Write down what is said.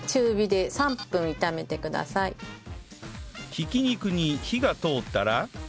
ひき肉に火が通ったら